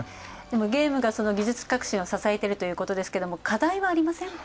ゲームが技術革新を支えてるということですけども課題はありませんか？